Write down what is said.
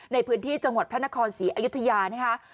ในพื้นที่จังหวัดพระนครศรีอยุธยานะคะ